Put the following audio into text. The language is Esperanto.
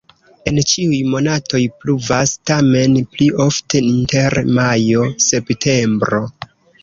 En ĉiuj monatoj pluvas, tamen pli ofte inter majo-septembro.